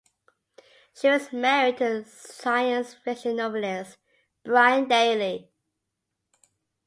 She was married to science fiction novelist Brian Daley.